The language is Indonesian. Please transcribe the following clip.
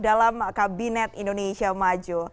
dalam kabinet indonesia maju